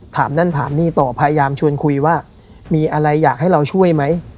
ถามนั่นถามนี่ต่อพยายามชวนคุยว่ามีอะไรอยากให้เราช่วยไหม